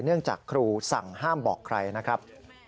เนื่องจากครูสั่งห้ามบอกใครนะครับ